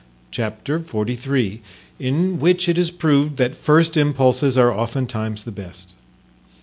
Chapter XLIII. In which it is proved that first Impulses are oftentimes the best.